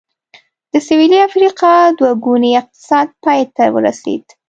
د سوېلي افریقا دوه ګونی اقتصاد پای ته ورسېد.